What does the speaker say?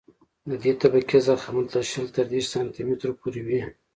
د دې طبقې ضخامت له شل تر دېرش سانتي مترو پورې وي